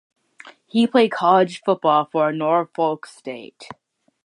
He played college football for Norfolk State.